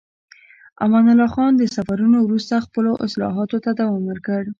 امان الله خان د سفرونو وروسته خپلو اصلاحاتو ته دوام ورکړ.